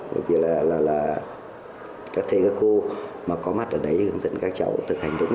bởi vì là các thầy các cô mà có mặt ở đấy hướng dẫn các cháu thực hành đúng